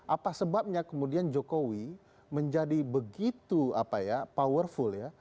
apa sebabnya kemudian jokowi menjadi begitu powerful ya